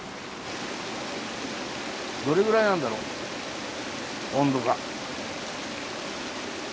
どれぐらいなんだろ温度が。